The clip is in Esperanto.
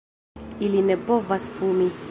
Ili ne povas fumi.